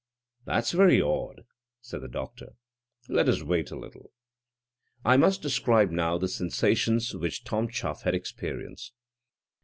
"That's very odd," said the doctor. "Let us wait a little." I must describe now the sensations which Tom Chuff had experienced.